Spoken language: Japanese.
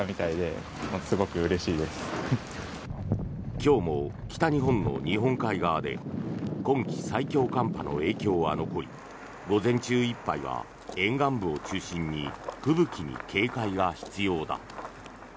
今日も北日本の日本海側で今季最強寒波の影響は残り午前中いっぱいは沿岸部を中心に吹雪に警戒が必要だ。